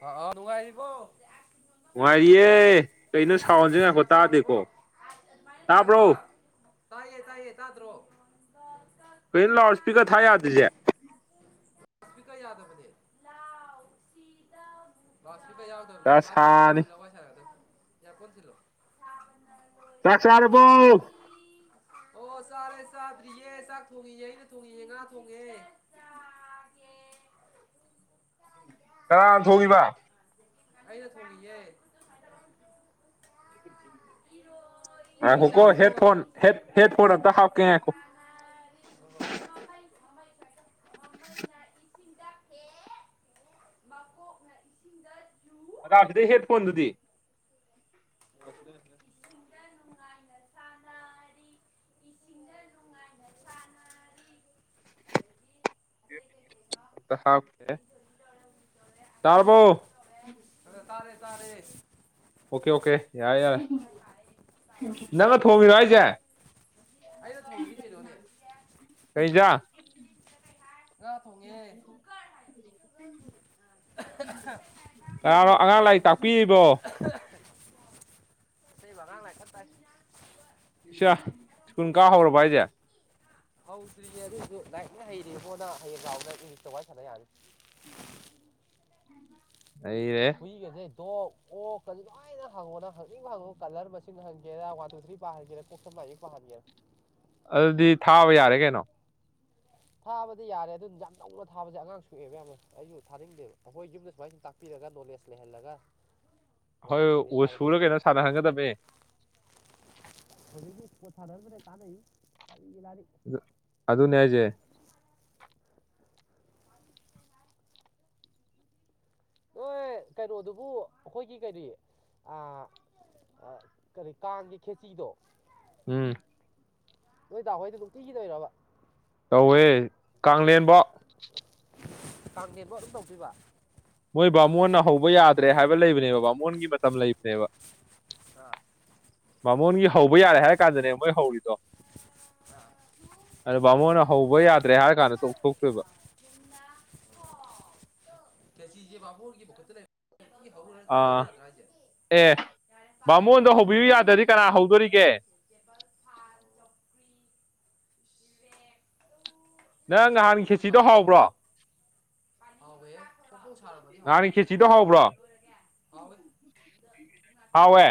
ꯍꯥꯎ ꯅꯨꯡꯉꯥꯏꯔꯤꯕꫭ ꯅꯨꯡꯉꯥꯏꯔꯤꯌꯦ ꯀꯩꯅꯣ ꯁꯥꯎꯟꯖꯦ ꯅꯪ ꯉꯥꯏꯈꯣ ꯆꯥꯛ ꯇꯥꯗꯦꯀꯣ ꯆꯥꯔꯕꯣ [unintelligible] ꯍꯥ ꯇꯥꯕ꯭ꯔꯣ ꯇꯥꯏꯌꯦ ꯇꯥꯏꯌꯦ ꯇꯥꯗ꯭ꯔꯣ [unintelligible] ꯀꯩꯅꫭ ꯂꯥꯎꯠ ꯏꯁꯄꯤꯀ꯭ꯔ ꯊꯥ ꯌꯥꯗ꯭ꯔꯤꯖꯦ ꯏꯁꯄꯤꯀꯔ ꯌꯥꯗꯕꯅꯦ [unintelligible] ꯂꯥꯎꯠ ꯏꯁꯄꯤꯀꯔ ꯌꯥꯎꯗꯕꯅꯦ ꯃꯥꯗꯤ ꯏꯌ꯭ꯔ ꯄꫭꯠ ꯗꯁꯥꯅꯤ ꯊꯤꯜꯂ ꯋꯥꯔꯤꯁꯥꯟꯅꯒꯗꯕꯅꯦ ꯏꯌ꯭ꯔ ꯄꫭꯠ ꯊꯤꯜꯂꯨ ꯆꯥꯛ ꯆꯥꯔꯕꯣ ꯑꯣ ꯆꯥꯔꯦ ꯆꯥꯗ꯭ꯔꯤꯌꯦ ꯆꯥꯛ ꯊꯣꯡꯉꯤꯌꯦ ꯑꯩꯅ ꯊꯣꯡꯉꯤꯌꯦ ꯉꯥ ꯊꯣꯡꯉꯦ [unintelligible] ꯀꯅꯥꯅ ꯊꯣꯡꯏꯕ ꯑꯩꯅ ꯊꯣꯡꯉꯤꯌꯦ ꯉꯥꯏꯈꯣꯀꯣ ꯍꯦꯠꯐꯣꯟ ꯍꯦꯠ ꯍꯦꯠꯐꯣꯟ ꯑꯝꯇ ꯍꯥꯞꯀꯦ ꯉꯥꯏꯈꯣ [unintelligible] ꯍꯣꯍꯣ ꯍꯣꯢꯠ, ꯃꯃꯩ ꯃꯃꯩ ꯄꯥꯢꯁꯦ ꯃꯃꯩꯅ ꯏꯁꯤꯡꯗ ꯐꯦꯠ ꯃꯀꯣꯛꯅ ꯏꯁꯤꯡꯗ [unintelligible] ꯁꯤꯗꯩꯩ ꯍꯦꯠ ꯐꯣꯟꯗꯨꯗꯤ ꯏꯁꯤꯡꯗ ꯅꯨꯡꯉꯥꯏꯅ ꯁꯥꯟꯅꯔꯤ ꯏꯁꯤꯡꯗ ꯅꯨꯡꯉꯥꯏꯅ ꯁꯥꯟꯅꯔꯤ ꯇꯥ ꯑꯣꯐꯇ [unintelligible] [unintelligible] ꯫ ꯇꯥꯔꯕꯣ ꯑ ꯇꯥꯔꯦ ꯇꯥꯔꯦ꯫ ꯑꯣꯀꯦ ꯑꯣꯀꯦ ꯌꯥꯔꯦ ꯌꯥꯔꯦ ꯅꯪꯅ ꯊꯣꯡꯉꯤꯔꯣ ꯍꯥꯏꯖꯦ ꯑꯩꯩꯅ ꯊꯣꯡꯉꯤꯅꯤ ꯀꯩꯅꯣꯅꯦ ꯀꯩ ꯏꯟꯖꯥꯡ꯫ ꯉꯥ ꯊꯣꯡꯉꯦ꯫ ꯀꯩ ꯀꯅꯥꯅꯣ ꯑꯉꯥꯡ ꯗꯧꯔꯤꯒꯦ꯫ ꯂꯥꯏꯔꯤꯛ ꯇꯥꯛꯄꯤꯔꯤꯕꯣ ꯏꯇꯩꯃꯥ ꯑꯉꯥꯡ ꯂꯥꯏꯔꯤꯛ ꯀꯟꯅ ꯇꯥꯛꯏ꯫ ꯁ꯭ꯌꯥ ꯁ꯭ꯀꯨꯟ ꯀꯥ ꯍꯧꯔꯕ ꯍꯥꯏꯁꯦ ꯍꯧꯗ꯭ꯔꯤꯌꯦ ꯑꯗꯨꯏꯁꯨ ꯂꯥꯏꯔꯤꯛꯅ ꯍꯩꯔꯦꯕꯣꯅ ꯍꯌꯦꯡ ꯂꯥꯎ ꯏꯪꯂꯤꯁꯇ ꯋꯥꯔꯤ ꯁꯥꯟꯅ ꯌꯥꯅꯤ ꯅꯩꯔꯦꯍꯦ ꯄꯤꯈꯁꯦ ꯗꯣꯛ ꯑꯣ ꯀ ꯂꯣꯏꯅ ꯍꯥꯡꯉꯣꯅ ꯍꯪꯆꯤꯡ ꯍꯥꯡꯉꯣ ꯀꯂꯔ ꯃꯁꯤꯡ ꯍꯪꯒꯦꯔꯥ ꯋꯥꯟ ꯇꯨ ꯊ꯭ꯔꯤ ꯄꯥꯍꯟꯒꯦꯔꯥ [unintelligible] ꯎꯊ ꯃꯥ ꯃꯍꯥꯔꯤ [unintelligible] ꯫ ꯑꯗꯨꯗꯤ ꯊꯥꯕ ꯌꯥꯔꯦ ꯀꯩꯅꯣ ꯊꯥꯕꯗꯤ ꯌꯥꯔꯦ ꯑꯗꯨꯅ ꯌꯥꯝ ꯅꯧꯅ ꯊꯥꯕꯁꯦ ꯑꯉꯥꯡ ꯁꯣꯛꯑꯦꯕ ꯌꯥꯝꯅ ꯑꯩꯁꯨ ꯊꯥꯅꯤꯡꯗꯦꯕ ꯑꯩꯈꯣꯏ ꯌꯨꯝꯗ ꯁꯨꯃꯥꯏꯁꯨꯝ ꯇꯥꯛꯄꯤ ꯄꯤꯔꯒ ꯅꯣꯂꯦꯁ ꯂꯩꯍꯜꯂꯒ--꯫ ꯍꯣꯏ ꯃꯊꯪ ꯆꯍꯤꯗꯩ ꯊꯥꯒꯦ ꯎꯁꯨꯔ ꯇꯧꯅꯤ ꯀꯩꯅꯣ ꯁꯥꯟꯅꯍꯟꯒꯗꯕꯅꯦ ꯊꯣꯔꯗꯤ ꯄꯣꯊꯥꯙꯔꯃꯅꯦ ꯀꯥꯟꯅ ꯀꯔꯤꯒꯤ ꯂꯥꯅꯤ [unintelligible] ꯑꯗꯨ ꯑꯗꯨꯅꯦ ꯍꯥꯏꯖꯦ ꯅꯣꯏ ꯀꯩꯅꯣꯗꯨꯕꯨ ꯑꯩꯈꯣꯏꯒꯤ ꯀꯔꯤ ꯑꯥ ꯑ ꯀꯔꯤ ꯀꯥꯡꯒꯤ ꯈꯦꯆꯤꯗꯣ--꯫ ꯎꯝ ꯅꯣꯏ ꯗꯥꯍꯣꯏꯗ ꯅꯨꯡꯇꯤꯒꯤ ꯇꯧꯋꯤꯔꯕ ꯇꯧꯋꯦ ꯀꯥꯡꯂꯦꯟꯕꯥꯎ ꯀꯥꯡꯂꯦꯟ ꯕꯣ ꯑꯗꯨꯝ ꯇꯧꯗꯣꯏꯕ ꯃꯣꯏ ꯕꯥꯃꯣꯟꯅ ꯍꯧꯕ ꯌꯥꯗ꯭ꯔꯦ ꯍꯥꯏꯕ ꯂꯩꯕꯅꯦꯕ ꯕꯥꯃꯣꯟꯒꯤ ꯃꯇꯝ ꯂꯩꯕꯅꯦꯕ꯫ ꯑꯥ ꯕꯥꯃꯣꯟꯒꯤ ꯍꯧꯕ ꯌꯥꯔꯦ ꯍꯥꯏꯔ ꯀꯥꯟꯗꯅꯦ ꯃꯣꯏ ꯍꯧꯔꯤꯗꯣ꯫ ꯑꯥ ꯑꯗꯣ ꯕꯥꯃꯣꯟꯅ ꯍꯧꯕ ꯌꯥꯗ꯭ꯔꯦ ꯍꯥꯏꯔ ꯀꯥꯟꯗ ꯇꯣꯛꯊꯣꯛꯇꯣꯏꯕ ꯅ ꯑꯣ [inaudible] ꯀꯁꯤ ꯌꯦꯦꯥꯕꯥꯕꯨ ꯍꯔꯒꯛꯇ ꯆ ꯂꯩ [unintelligible] ꯍ [unintelligible] ꯑꯥ ꯑꯦ ꯄꯥꯕ ꯕꯥꯃꯣꯟꯗ ꯂꯣꯏꯔꯦ ꯍꯧꯕꯤꯌꯨ ꯌꯥꯗ꯭ꯔꯗꯤ ꯀꯅꯥ ꯍꯧꯗꯣꯔꯤꯒꯦ ꯐ [inaudible] ꯅꯪ ꯈꯦꯆꯤ ꯍꯧꯕ ꯅꯍꯥꯟ ꯈꯦꯆꯤꯗꯣ ꯅꯣꯏꯕꯥꯖꯨ ꯍꯩꯗꯨꯕꯣ ꯍꯥꯎꯕ꯭ꯔꯣ ꯍꯥꯎꯋꯦ ꯐꯪꯐꯡ ꯁꯥꯔꯝꯝꯗꯤ ꯍꯥꯎꯅꯤ ꯅꯍꯥꯟꯒꯤ ꯈꯦꯆꯤꯗꯣ ꯍꯥꯎꯕ꯭ꯔꯣ ꯍꯥꯎꯋꯦ ꯑ [inaudible] ꯍꯧꯋꯦ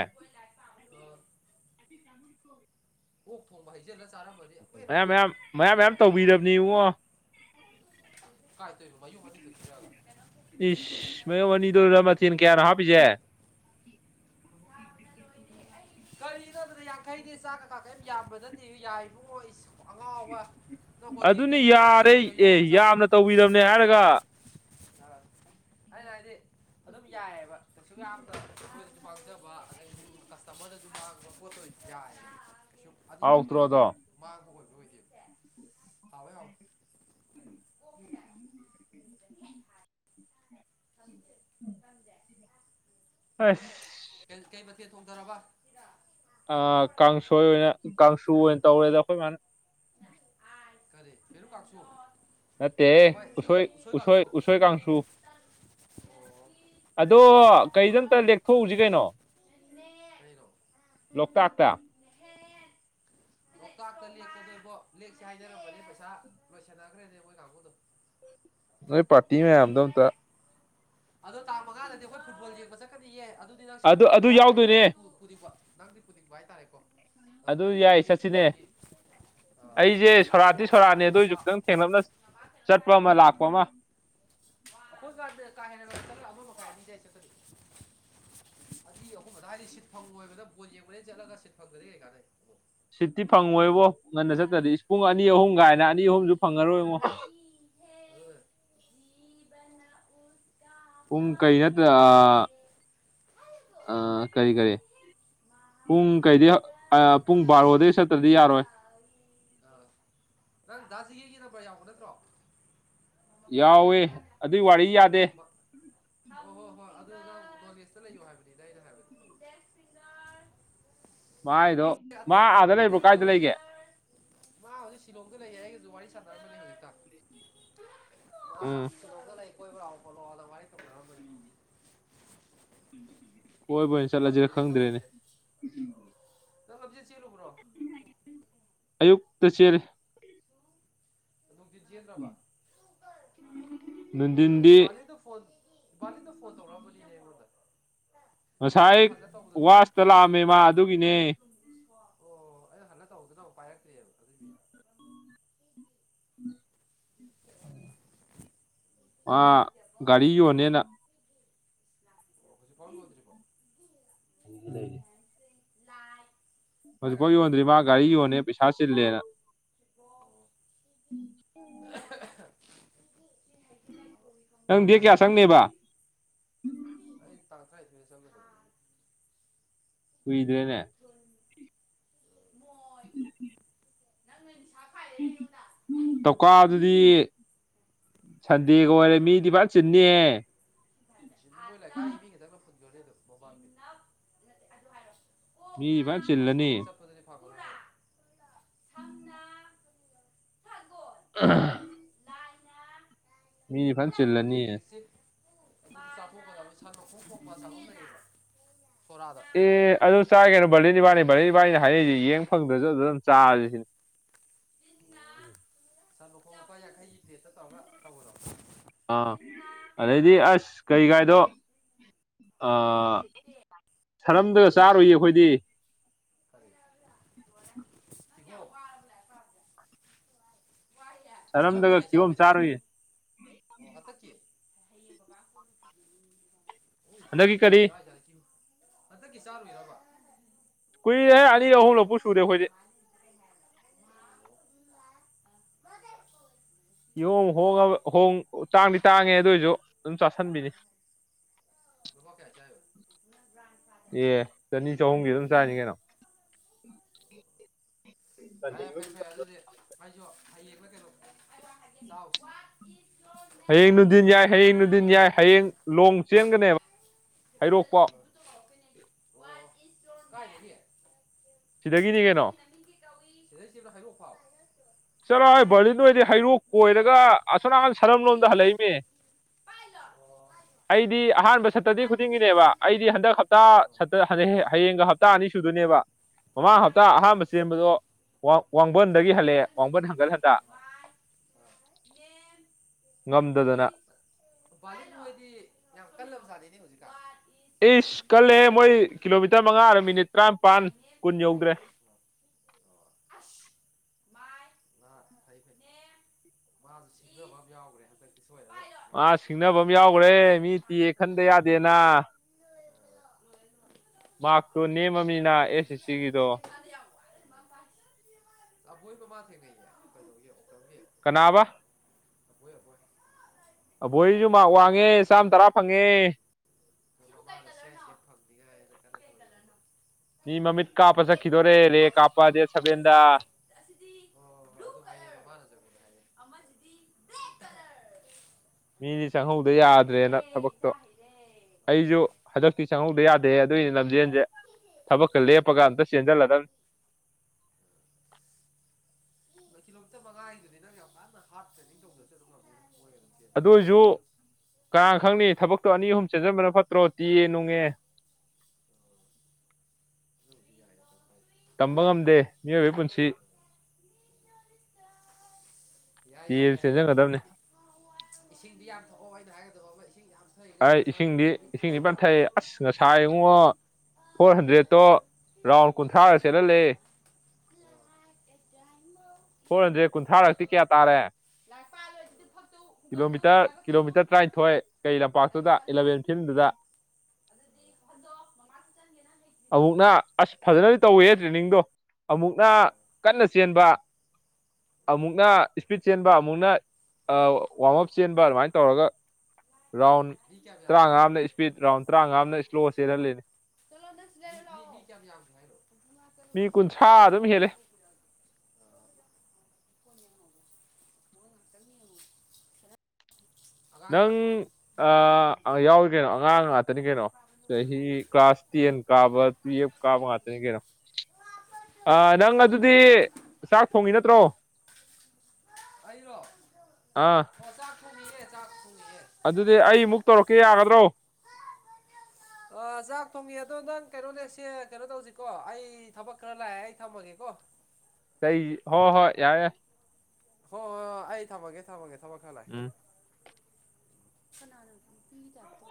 ꯑ [unintelligible] ꯑꯣꯛ ꯊꯣꯡꯕ ꯍꯩꯖꯤꯜꯂꯒ ꯆꯥꯔꯝꯕꯗꯤ ꯑꯃꯨꯀ ꯍꯦꯟꯅ ꯃꯌꯥꯝ ꯍꯥꯎꯅꯤ ꯃꯌꯥꯝ ꯃꯌꯥꯝ ꯃꯌꯥꯝ ꯇꯧꯕꯤꯔꯕꯅꯤ ꯏꯕꯨꯡꯉꯣ ꯀꯥꯏ ꯇꯣꯏꯕ ꯃꯌꯨꯝ ꯑꯅꯤꯈꯛ ꯄꯤꯔꯛꯑꯒ ꯏꯁ ꯃꯌꯣꯝ ꯑꯅꯤꯗꯨꯗ ꯃꯊꯦꯟ ꯀꯌꯥꯅꯣ ꯍꯥꯞꯄꯤꯁꯦ ꯁꯥꯕꯅ ꯂꯣꯏꯔꯦ ꯎ ꯀꯔꯤꯅꯣꯗꯅ ꯌꯥꯡꯈꯩꯗꯤ ꯆꯥꯛ ꯀꯀꯥ ꯀꯩꯝ ꯌꯥꯝꯕꯗꯗꯤ ꯌꯥꯏꯔꯣ ꯑꯉꯥꯎꯕ ꯍꯣꯇꯜꯗ ꯑꯗꯨꯅꯤ ꯇꯣ ꯈꯦꯇꯤ ꯌꯥꯔꯦ ꯃ ꯑꯦ ꯆ ꯌꯥꯝꯅ ꯇꯧꯕꯤꯔꯕꯅꯦ ꯍꯥꯏꯔꯒ ꯑꯩꯅ ꯍꯥꯏꯗꯤ ꯑꯗꯨꯝ ꯌꯥꯏꯑꯕ ꯀꯩꯁꯨ ꯌꯥꯝ ꯇꯧ ꯄꯥꯡꯖꯕ ꯍꯥꯏ ꯀꯁꯇꯃꯔꯗ ꯑꯗꯨ ꯃꯥꯡꯕ ꯄꯣꯠꯇꯣ ꯌꯥꯏ ꯁꯨꯝ ꯑꯅꯤꯃꯛꯇ ꯍꯥꯎꯇ꯭ꯔꯣ ꯑꯗꯣ ꯃꯥꯥꯡꯒ ꯑꯣꯏꯕ ꯑꯣꯏꯗꯦꯕ ꯍꯥꯎꯋꯦ ꯍꯥꯎꯋꯦ ꯍꯗꯦ ꯂꯝꯗꯦ ꯑꯁ ꯀꯩ ꯃꯊꯦꯜ ꯇꯣꯡꯊꯔꯕ ꯑ ꯀꯥꯡꯁꯣꯏ ꯑꯣꯏꯅ ꯀꯥꯡꯁꯨ ꯑꯣꯏꯅ ꯇꯧꯔꯦꯗ ꯑꯩꯈꯣꯏ ꯃꯥꯅ ꯀꯔꯦ ꯐꯦꯔꯨ ꯀꯥꯛꯁꯨꯣ ꯅꯠꯇꯦ ꯎꯁꯣꯏ ꯎꯁꯣꯏ ꯎꯁꯣꯏ ꯀꯥꯡꯁꯨ ꯑꯗꯣ ꯀꯩꯗ ꯑꯇ ꯂꯦꯛꯊꯣꯛꯎꯁꯤ ꯀꯩꯅꯣ [unintelligible] ꯂꯣꯛꯇꯥꯛꯇ ꯍ ꯂꯣꯛꯇꯥꯛꯇ ꯂꯦꯛꯀꯅꯦꯦꯕꯣ ꯂꯦꯛꯁꯦ ꯍꯥꯏꯖꯔꯝꯕꯅꯦ ꯄꯩꯁꯥ ꯂꯣꯏꯁꯟꯅꯈ꯭ꯔꯦꯅꯦ ꯃꯈꯣꯏ ꯀꯥꯡꯕꯨꯨꯗꯣ [inaudible] ꯅꯣꯏ ꯄꯥꯔꯇꯤ ꯃꯌꯥꯝꯗ ꯑꯝꯇ ꯑꯗꯣ ꯇꯥꯡ ꯃꯉꯥꯗꯗꯤ ꯑꯩꯈꯣꯏ ꯐꯨꯠꯕꯣꯜ ꯌꯦꯡꯕ ꯆꯠꯀꯅꯤꯌꯦ ꯑꯗꯨꯗꯤ ꯅꯪ ꯁꯟ ꯑꯗꯨ ꯃꯈꯣꯛ ꯑꯗꯨ ꯆꯥꯔ ꯀꯅꯤ ꯌꯥꯎꯗꯣꯏꯅꯦ ꯅꯪꯗꯤ ꯄꯨꯗꯤꯕ ꯅꯥꯪ꯭ ꯄꯨꯗꯤꯄ ꯑꯗꯨ ꯍꯥꯏꯇꯥꯔꯦꯀꯣꯈꯣꯝꯗ ꯌꯥꯏ ꯂꯝꯖꯦꯜ ꯆꯦ ꯆꯠꯁꯤꯅꯦ ꯑꯩꯈꯗꯒꯤ ꯑ ꯑꯩꯁꯦ ꯁꯣꯔꯥꯠꯇꯤ ꯁꯣꯔꯥꯠꯅꯦ ꯑꯗꯨ ꯑꯣꯏꯁꯨ ꯇꯄꯥꯛ ꯈꯤꯇꯪ ꯊꯦꯡꯂꯞꯅ ꯆꯠꯄ ꯑꯃ ꯂꯥꯛꯄ ꯑꯃ ꯑꯩꯈꯣꯏ ꯁꯥ ꯀꯥ ꯍꯦꯟꯅ ꯆꯠꯂ ꯑꯃ ꯃꯈꯥꯏꯅꯤꯗꯏ ꯆꯠꯈꯔꯤ ꯑꯗꯨ ꯑꯩꯈꯣꯏꯕꯗ ꯍꯥꯏꯗꯤ ꯁꯤꯠ ꯐꯪ ꯑꯣꯏꯣꯏꯕꯗ ꯕꯣ ꯌꯦꯡꯕꯗ ꯆꯠꯂꯒ ꯁꯤꯠ ꯐꯪꯗꯗꯤ ꯀꯩꯀꯥꯗꯩ ꯁꯤꯠꯇꯤ ꯐꯪꯉꯣꯏꯕꯣ ꯉꯟꯅ ꯆꯠꯇ꯭ꯔꯗꯤ ꯏꯁ ꯄꯨꯡ ꯑꯅꯤ ꯑꯍꯨꯝ ꯀꯥꯏꯅ ꯑꯗꯨꯅ ꯑ ꯑꯅꯤ ꯑꯍꯨꯝꯁꯨ ꯐꯪꯉꯔꯣꯏ ꯏꯉꯣ ꯕꯅ ꯎ ꯄꯨꯡ ꯀꯔꯤ ꯅꯠꯇ꯭ꯔ ꯀꯔꯤ ꯀꯔꯤ ꯄꯨꯡ ꯀꯩꯗꯤ ꯄꯨꯡ ꯕꯥꯔꯣꯗꯒꯤꯩ ꯆꯠꯇ꯭ꯔꯗꯤ ꯌꯥꯔꯣꯏ ꯑ ꯅꯪ ꯗꯥꯁꯤꯒꯒꯤ ꯅꯝꯕꯔ ꯌꯥꯎꯕ ꯅꯠꯇ꯭ꯔꯣ ꯃ- ꯌꯥꯎꯋꯦ ꯑꯗꯨꯏ ꯋꯥꯔꯤ ꯌꯥꯗꯦ ꯍꯣꯏ ꯍꯣꯏ ꯍꯣꯏ ꯑꯗꯨ ꯅꯣꯒꯦꯁꯇ ꯂꯩꯌꯣ ꯍꯥꯏꯕꯅꯤꯗ ꯑꯩꯅ ꯍꯥꯏꯕꯅꯤ ꯃꯥꯏꯗꯣ ꯄꯣꯠꯁ ꯃꯥ ꯑꯥꯗ ꯂꯩꯕ꯭ꯔꯣ ꯑꯇꯩꯦ ꯀꯥꯏꯗ ꯇꯧꯔꯤꯁꯦ ꯂꯩꯒꯦ ꯃꯥ ꯍꯧꯖꯤꯛ ꯁꯤꯂꯣꯡꯝꯗ ꯂꯩꯌꯦ ꯑꯩ ꯖ ꯋꯥꯔꯤ ꯁꯥꯇ꯭ꯔꯅꯤ ꯍꯧꯖꯤꯛꯇ ꯑ ꯎꯝ ꯀꯗꯣꯇ ꯂꯩ ꯀꯣꯏꯕ꯭ꯔꯥꯑꯣꯕꯣꯠꯂꯣꯑꯣꯗ ꯋꯥꯔꯤ ꯐꯔꯗꯅꯤ ꯍꯣꯏ ꯍꯣꯏꯅꯦ ꯆꯠꯂꯁꯤꯔ ꯈꯪꯗ꯭ꯔꯦꯅꯦ ꯆ ꯂꯝꯖꯦ ꯆꯦꯜꯂꯨꯕ꯭ꯔꯣ ꯑꯌꯨꯛꯇꯛꯇ ꯆꯦ ꯑꯗꯨꯝꯖꯤ ꯅꯨꯡꯊꯤꯟꯗꯤ ꯌꯦ꯭ꯔꯕꯦꯗ ꯐꯣꯟ ꯕꯥꯂꯤꯟꯗ ꯐꯣꯟ ꯇꯧꯔꯛꯑꯝꯕꯅꯤꯅꯦ ꯑꯩꯉꯣꯟꯗ ꯉꯁꯥꯏ ꯑꯗ ꯍꯜꯂ ꯇꯧꯕꯗꯁꯨ ꯋꯥꯁꯇ ꯂꯥꯛꯑꯝꯃꯦ ꯃꯥ ꯑꯗꯨꯒꯤꯅꯦ ꯑꯣ ꯑꯩ ꯍꯟꯗꯛ ꯇꯧꯗꯨꯅ ꯑꯃꯛ ꯄꯥꯏꯔꯛꯇ꯭ꯔꯤꯑꯕ ꯎꯝ ꯎꯝ ꯃꯥ ꯒꯥꯔꯤ ꯌꯣꯟꯅꯦꯅ ꯑꯣꯁꯤ ꯀꯣꯟ ꯀꯗꯔꯤꯀꯣ ꯎ ꯂꯩ ꯏ ꯍꯧꯖꯤꯛꯐꯥꯎ ꯌꯣꯟꯗ꯭ꯔꯤ ꯃꯥ ꯒꯥꯔꯤ ꯌꯣꯟꯅꯦꯦ ꯄꯩꯁꯥ ꯆꯤꯜꯂꯦꯅ ꯑꯣ ꯍꯥꯏꯪ꯭ꯔ ꯅꯪ ꯗꯦꯠ ꯀꯌꯥ ꯆꯪꯅꯦꯕ ꯏ ꯑꯩ ꯇꯥꯡ ꯊ꯭ꯔ ꯀꯨꯏꯗ꯭ꯔꯦꯅꯦ ꯃꯣꯏ ꯅꯪ ꯅꯣꯏ ꯅꯤꯁꯥ ꯈꯥꯏꯔꯦꯅꯦ ꯑꯩꯉꯣꯟꯗ ꯇꯧꯀꯥ ꯑꯗꯨꯗꯤ ꯁꯟꯗꯦꯒ ꯑꯣꯏꯔꯦ ꯃꯤꯗꯤ ꯚꯔ ꯆꯤꯟꯅꯦ ꯀꯥꯏ ꯏꯕꯤꯈꯤꯗ ꯐꯠꯦ ꯑꯗꯨ ꯕꯕꯥꯝ ꯃꯤꯗꯤ ꯐꯖꯅ ꯆꯤꯜꯂꯅꯤ ꯁꯤꯗ ꯍ ꯆꯄꯅꯤ ꯐꯥꯒ ꯊꯝꯅ ꯎ ꯂꯥꯏꯅ ꯃꯤ ꯐ ꯆꯜꯂꯅꯤꯌꯦ ꯑꯗꯨ ꯆꯥꯊꯣꯛꯄꯕ ꯁꯟꯗꯣꯛꯣꯡ ꯄꯣꯛꯄ ꯆꯥꯐꯝ ꯂꯩꯌꯦꯕ꯭ꯔ ꯁꯣꯔꯥꯗ ꯑꯦ ꯑꯗꯨ ꯆꯥ ꯀꯩꯅꯣ ꯕꯥꯔꯗꯦꯠ ꯏꯕꯥꯅꯤ ꯕꯥꯔꯂꯠ ꯏꯕꯥꯅꯤ ꯍꯥꯏꯔꯤꯛꯏꯁꯤꯦ ꯌꯦꯡ ꯐꯪꯗ꯭ꯔꯁꯨ ꯑꯗꯨ ꯑꯗꯨꯝ ꯆꯥꯔꯤꯁꯤꯅꯦ ꯁꯟ ꯂꯨꯈꯣꯡ ꯂꯨꯄꯥ ꯌꯥꯡꯈꯩꯒꯤ ꯄ꯭ꯂꯦꯠꯇ ꯇꯧꯔꯒ ꯇꯧꯕꯔꯣ ꯑꯥ ꯑꯗꯩꯗꯤ ꯑꯁ ꯀꯩ ꯀꯥꯏꯗꯣ ꯇꯦ ꯁꯔꯝꯗꯒ ꯆꯥꯔꯨꯏꯌꯦ ꯑꯩꯈꯣꯏꯗꯤ ꯀꯔꯤ ꯂꯣꯏꯔꯦ ꯅꯪ ꯌꯥꯝ ꯋꯥꯔꯕꯅꯦ ꯂꯥꯏꯔꯤꯛ ꯄꯥꯕꯁꯦ ꯁꯔꯝꯗ ꯁꯔꯝꯗꯒ ꯀꯩ ꯀꯤꯍꯣꯝ ꯆꯥꯔꯣꯏꯗꯦ ꯀꯦꯍꯣ ꯆꯥꯔꯨꯏ ꯑꯣ ꯍꯥꯇ ꯀ ꯍ ꯍꯟꯗꯛꯀꯤ ꯅꯣꯏꯗꯤ ꯌꯥꯝ ꯀꯔꯤ ꯆꯥꯖꯥꯔ ꯀ ꯍꯟꯗꯛꯀꯤ ꯆꯥꯔꯨꯔꯕ ꯀꯨꯏꯔꯦ ꯑꯅꯤ ꯑꯍꯨꯝꯂꯛꯨ ꯁꯨꯔꯦ ꯑꯩꯈꯣꯏꯗꯤ ꯎ ꯎ ꯌꯦꯣꯡꯉꯨ ꯍꯣꯡꯉꯕ ꯍꯣꯡ ꯇꯥꯡꯗꯤ ꯇꯥꯡꯉꯦ ꯑꯗꯨꯏꯁꯨ ꯑꯗꯨꯝ ꯆꯥꯁꯟꯕꯤꯅꯤ ꯄꯥ ꯀꯌꯥ ꯆꯕ ꯑꯦ ꯆꯅꯤ ꯆꯍꯨꯝꯒꯤ ꯑꯗꯨꯝ ꯆꯥꯏꯅꯤ ꯀꯩꯅꯣ ꯌꯥꯔꯦ ꯐꯔꯦ ꯐꯔꯦ ꯑꯗꯨꯗꯤ ꯍꯥꯏꯁꯨ ꯍꯌꯦꯌꯦꯡꯕ ꯀꯩꯅꯣ ꯆꯥꯎꯁꯤ ꯍꯌꯦꯡ ꯅꯨꯅꯨꯡꯗꯤꯟ ꯌꯥꯏ ꯍꯌꯦꯡ ꯅꯨꯡꯗꯤꯤꯟ ꯌꯥꯏ ꯍꯌꯦꯡ ꯂꯣꯡ ꯆꯦꯟꯒꯅꯦꯕ ꯍꯩꯔꯣꯛꯄ ꯁꯤꯗꯒꯤꯅꯤ ꯀꯩꯅꯣ ꯆꯦꯂ ꯈꯥꯏ ꯑꯣꯐꯥꯎ ꯆꯠꯔꯣ ꯍꯣꯏ ꯕꯔꯂꯤꯟꯗꯣꯏꯗꯤ ꯍꯩꯔꯣꯛ ꯀꯣꯏꯔꯒ ꯑꯁ ꯑꯅꯥꯀꯟ ꯁꯔꯝ ꯂꯣꯝꯗ ꯍꯜꯂꯛꯏꯃꯤ ꯄꯥꯏꯂꯣ ꯄꯥꯏꯣ ꯑꯩꯗꯤ ꯑꯍꯥꯟꯕ ꯁꯇꯔꯗꯦ ꯈꯨꯗꯤꯡꯒꯤꯅꯦꯕ ꯅꯦꯝ ꯑꯩꯗꯤ ꯍꯟꯗꯛ ꯍꯇꯥ ꯍꯌꯦꯡꯒ ꯍꯞꯇꯥ ꯑꯅꯤ ꯁꯨꯗꯣꯏꯅꯦꯕ ꯃꯃꯥꯡ ꯃꯥꯏ ꯍꯞꯇꯥ ꯑꯍꯥꯟꯕ ꯆꯦꯟꯕꯗꯣ ꯋꯥꯡꯕꯟꯗꯒꯤ ꯍꯜꯂꯛꯑ ꯅꯪ ꯋꯥꯡꯒꯠ ꯅꯃꯤꯡ ꯍꯟꯒꯠ ꯈꯨꯝꯃꯤꯅꯦ ꯍꯟꯗ ꯃꯥꯏ ꯅꯦꯝ ꯉꯝꯗꯗꯅ ꯚꯔꯠ ꯃꯣꯏꯗꯤ ꯌꯥꯝ ꯀꯜꯂꯕ ꯁꯥꯠꯂꯤꯅꯦ ꯍꯧꯖꯤꯛꯀꯥ ꯏꯁ ꯀꯜꯂꯦ ꯃꯣꯏ ꯀꯤꯂꯣꯃꯤꯇꯔ ꯃꯉꯥꯔ ꯃꯤꯅꯤꯠ ꯇꯔꯥꯅꯤꯄꯥꯟ ꯃꯥꯏ ꯀꯨꯟ ꯌꯧꯗ꯭ꯔꯦ ꯍꯥꯁ ꯥꯏ ꯐ ꯐ ꯃꯥꯁꯨ ꯁꯤꯡꯖꯕ ꯑꯃ ꯌꯥꯎꯈ꯭ꯔꯦ ꯍꯟꯗꯛꯁ ꯊꯣꯛꯣꯏꯗ ꯃꯥ ꯁꯤꯡꯅꯕ ꯑꯃ ꯌꯥꯎꯈ꯭ꯔꯦ ꯃꯤ ꯇꯤꯌꯦ ꯈꯟꯗ ꯄꯥꯏꯂꯣꯠ ꯌꯥꯗꯦꯅ ꯂꯣꯏꯔꯦ ꯂꯣꯏꯔꯦ ꯂꯣꯏꯔꯦ ꯃꯥꯔꯛꯇꯣ ꯅꯦꯝꯃꯃꯤꯅ ꯑꯦꯁ ꯑꯦꯁ ꯁꯤꯒꯤꯗꯣ ꯕꯣꯏ ꯃꯃꯥ ꯊꯦꯡꯅꯩꯌꯦ ꯀꯩꯗꯧꯒꯤꯣ ꯇꯧꯒꯤ ꯀꯅꯥꯕ ꯑꯕꯣꯏꯁꯨ ꯋꯥꯡꯉꯦ ꯆꯥꯝ ꯇꯔꯥ ꯐꯪꯉꯦ ꯊꯛ ꯃꯤ ꯃꯃꯤꯠ ꯀꯥꯞꯄ ꯆꯠꯈꯤꯗꯣꯔꯦ ꯔꯦ ꯀꯥꯞꯄꯗꯦ ꯁꯕꯦꯟꯗ ꯁꯤ ꯁꯤ ꯃꯤ ꯑꯅꯤ ꯆꯪꯍꯧꯗ ꯌꯥꯗ꯭ꯔꯦꯅ ꯊꯕꯛꯇꯣ ꯑꯩꯖꯨ ꯍꯟꯗꯛꯇꯤ ꯆꯪꯍꯧꯗ ꯌꯥꯗꯦ ꯑꯗꯨꯏꯅꯦ ꯂꯝꯖꯦꯜꯖꯦ ꯊꯕꯛꯀ ꯂꯦꯞꯄꯒ ꯑꯝꯇ ꯆꯦꯟꯖꯜꯂꯗꯝꯅꯤ ꯅꯣꯏ ꯀꯤꯂꯣꯃꯤꯇꯔ ꯃꯉꯥꯒꯤꯗꯨꯅꯤ ꯅꯪ ꯌꯥꯝ ꯀꯟꯅ ꯍꯥꯔꯠ ꯇ꯭ꯔꯦꯅꯤꯡ ꯇꯧꯗ꯭ꯔꯁꯨ ꯑꯗꯨꯝ ꯉꯝꯅꯤ [unintelligible] ꯑꯗꯨꯏꯖꯨ ꯀꯥꯅ ꯈꯪꯅꯤ ꯊꯕꯛꯇꯣ ꯑꯅꯤ ꯑꯍꯨꯝ ꯆꯦꯟꯖꯟꯕꯅ ꯐꯠꯇ꯭ꯔꯣ ꯗꯤꯌꯦ ꯅꯨꯡꯉꯦ [unintelligible] ꯇꯝꯕ ꯉꯝꯗꯦ ꯃꯤꯑꯣꯏꯕꯒꯤ ꯄꯨꯟꯁꯤ ꯗꯤꯌꯦꯖꯨ ꯆꯦꯟꯖꯟꯒꯗꯝꯅꯦ ꯏꯁꯤꯡꯗꯤ ꯌꯥꯝ ꯊꯛꯑꯣ ꯑꯩꯅ ꯍꯥꯏꯒꯗꯕ ꯑꯃ ꯏꯁꯤꯡ ꯌꯥꯝ ꯊꯛꯏꯒꯩ ꯑꯩ ꯅꯁꯥ ꯏꯁꯤꯡꯗꯤ ꯔꯤꯀꯣꯕꯔꯤ ꯏꯁꯤꯡꯗꯤ ꯐꯖꯅ ꯐꯅ ꯂꯥꯛꯀꯅꯤ ꯊꯛꯑꯦ ꯑꯁ ꯉꯁꯥꯏ ꯏꯡꯉꯣ ꯐꯣꯔ ꯍꯟꯗ꯭ꯔꯦꯗꯠꯇꯣ ꯔꯥꯎꯟ ꯀꯨꯟꯊ꯭ꯔꯥꯒ ꯆꯦꯜꯍꯜꯂꯦ [unintelligible] [unintelligible] ꯐꯣꯔ ꯍꯟꯗ꯭ꯔꯦꯠ ꯀꯨꯟꯊ꯭ꯔꯥꯔꯛꯇꯤ ꯀꯌꯥ ꯇꯥꯔꯦ ꯂꯥꯏꯔꯤꯛ ꯄꯥꯗ꯭ꯔꯗꯤ ꯑꯗꯨ ꯐꯛꯇꯨ ꯍꯨꯒꯠꯂꯨ ꯀꯤꯂꯣꯃꯤꯇꯔ ꯂꯥꯏꯕꯛ ꯀꯠꯂꯨ ꯀꯤꯂꯣꯃꯤꯇꯔ ꯂꯥꯏꯕꯛ ꯀꯠꯂꯨ ꯐꯤꯟꯗꯨꯗ ꯑꯗꯨꯗꯤ ꯍꯟꯗꯣ ꯃꯃꯥ ꯀꯤꯠꯆꯟꯒꯤ ꯅꯪ ꯑꯃꯨꯛꯅ ꯍꯩꯇ꯭ꯔꯤꯕꯅꯤꯅ ꯑꯁ ꯐꯖꯅ ꯇꯧꯋꯦꯍꯦ ꯇ꯭ꯔꯦꯅꯤꯡꯗꯣ ꯑꯃꯨꯛꯅ ꯀꯟꯅ ꯆꯦꯟꯕ ꯑꯃꯨꯛꯅ ꯏꯁꯄꯤꯠ ꯆꯦꯟꯕ ꯑꯃꯨꯛꯅ ꯑ ꯋꯥꯔꯛ ꯑꯥꯎꯠ ꯆꯦꯟꯕ ꯑꯗꯨꯃꯥꯏ ꯇꯧꯔꯒ ꯃꯤ ꯀꯌꯥꯝ ꯌꯥꯝꯒꯦ ꯇꯔꯥꯉꯥ ꯑꯝꯅ ꯏꯁꯄꯤꯠ ꯔꯥꯎꯟ ꯇꯔꯥꯉꯥ ꯑꯃꯅ ꯏꯁꯂꯣ ꯆꯦꯜꯍꯜꯂꯤꯅꯤ ꯃꯤ ꯀꯨꯟꯊ꯭ꯔꯥ ꯑꯗꯨꯝ ꯍꯦꯜꯂꯦ [unintelligible] [unintelligible] ꯑꯉꯥꯡ ꯅꯪ ꯌꯥꯎꯕ꯭ꯔꯣ ꯂꯥꯏꯔꯤꯛ ꯑ ꯌꯥꯎꯔꯤ ꯀꯩꯅꯣ ꯑꯉꯥꯡ ꯉꯥꯛꯇꯅꯤ ꯀꯩꯅꯣ ꯄꯥꯕ ꯂꯣꯏ ꯆꯍꯤ ꯀ꯭ꯂꯥꯁ ꯇꯦꯟ ꯀꯥꯕ ꯂꯥꯏꯔꯤꯛ ꯄꯥ ꯇꯨꯌꯦꯞ ꯀꯧꯔ ꯀꯥꯕ ꯆꯠꯂꯨ ꯉꯥꯛꯇꯅꯤ ꯀꯩꯅꯣ ꯑꯥ ꯅꯪ ꯑꯗꯨꯗꯤ ꯆꯥꯛ ꯊꯣꯡꯉꯤ ꯅꯠꯇ꯭ꯔꯣ ꯑꯩꯔꯣ ꯑꯥ [unintelligible] ꯊꯣꯡꯉꯤꯅꯦ ꯆꯥꯛ ꯊꯣꯡꯉꯤꯌꯦ ꯑꯗꯨꯗꯤ ꯑꯩ ꯑꯃꯨꯛ ꯇꯧꯔꯛꯀꯦ ꯌꯥꯒꯗ꯭ꯔꯣ ꯑꯥ ꯆꯥꯛ ꯊꯣꯡꯉꯤ ꯑꯗꯣ ꯅꯪ ꯀꯩꯅꯣ ꯁꯦ ꯀꯩꯅꯣ ꯇꯧꯖꯤꯀꯣ ꯑꯩ ꯊꯕꯛ ꯈꯔ ꯂꯥꯛꯑꯦ ꯑꯩ ꯊꯝꯃꯒꯦꯀꯣ ꯀꯩ ꯍꯣ ꯍꯣꯏ ꯌꯥꯏ ꯍꯣꯏ ꯍꯣꯏ ꯍꯣꯏ ꯑꯩ ꯊꯝꯃꯒꯦ ꯊꯝꯃꯒꯦ ꯊꯕꯛ ꯈꯔ ꯎꯝ ꯂꯥꯛꯑꯦ ꯀꯅꯥꯅꯣ ꯅꯨꯄꯤꯒꯤ [unintelligible]